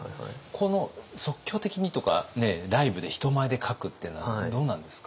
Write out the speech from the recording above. この即興的にとかねライブで人前で描くっていうのはどうなんですか？